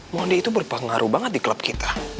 mondi itu berpengaruh banget di klub kita